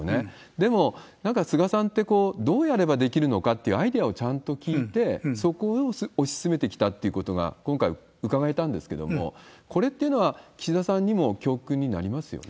でも、なんか菅さんって、どうやればできるのかっていうアイデアをちゃんと聞いて、そこを推し進めてきたってことが今回、伺えたんですけれども、これっていうのは、岸田さんにも教訓になりますよね？